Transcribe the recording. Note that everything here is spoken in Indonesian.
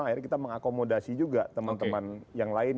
akhirnya kita mengakomodasi juga teman teman yang lain